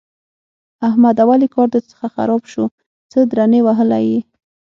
احمده! ولې کار درڅخه خراب شو؛ څه درنې وهلی يې؟!